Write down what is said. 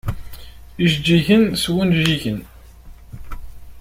Ijeǧǧigen s wunjigen.